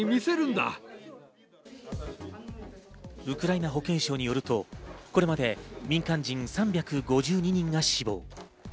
ウクライナ保健相によると、これまでに民間人３５２人が死亡。